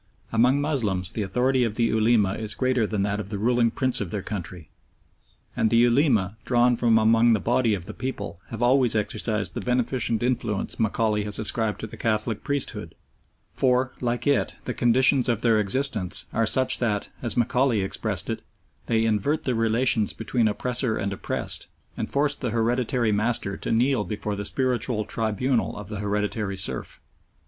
Among Moslems the authority of the Ulema is greater than that of the ruling prince of their country, and the Ulema, drawn from among the body of the people, have always exercised the beneficent influence Macaulay has ascribed to the Catholic priesthood, for, like it, the conditions of their existence are such that, as Macaulay expressed it, they "invert the relations between oppressor and oppressed, and force the hereditary master to kneel before the spiritual tribunal of the hereditary serf."